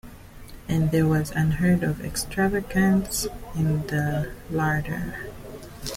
And there was unheard-of extravagance in the larder.